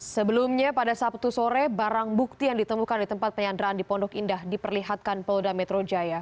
sebelumnya pada sabtu sore barang bukti yang ditemukan di tempat penyanderaan di pondok indah diperlihatkan polda metro jaya